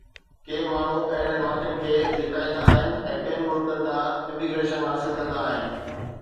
ڪي ماڻهو اهڙن واقعن کي لڪائيندا آهن ۽ ٻين ملڪن ڏانهن اميگريشن حاصل ڪندا آهن